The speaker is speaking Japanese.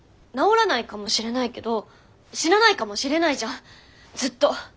治らないかもしれないけど死なないかもしれないじゃんずっと。